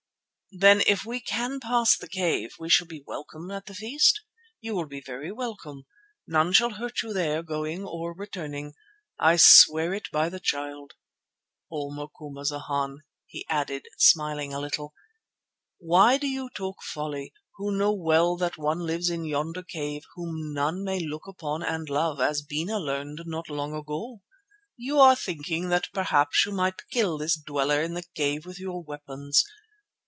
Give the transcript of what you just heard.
"Then if we can pass the cave we shall be welcome at the feast?" "You will be very welcome. None shall hurt you there, going or returning. I swear it by the Child. Oh! Macumazana," he added, smiling a little, "why do you talk folly, who know well that one lives in yonder cave whom none may look upon and love, as Bena learned not long ago? You are thinking that perhaps you might kill this Dweller in the cave with your weapons.